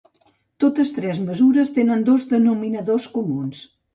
Totes tres mesures tenen dos denominadors comuns.